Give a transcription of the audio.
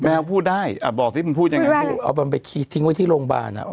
ม่าวาผ่วนได้อะบอกสิมันผ่วนยังไงพ่วนไปทิ้งทีลงบานอ่ะ